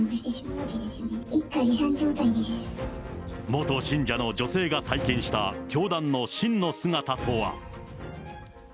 元信者の女性が体験した教団の真の姿とは。